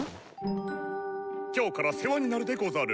今日から世話になるでござる。